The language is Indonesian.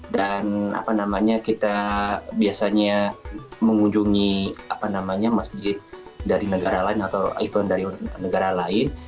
dan kita biasanya mengunjungi masjid dari negara lain atau event dari negara lain